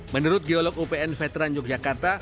menurut geolog upn veteran yogyakarta